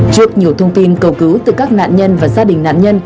trước nhiều thông tin cầu cứu từ các nạn nhân và gia đình nạn nhân